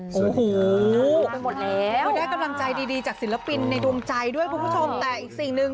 โอ้โหได้กำลังใจดีจากศิลปินในดวงใจด้วยคุณผู้ชมแต่อีกสิ่งหนึ่ง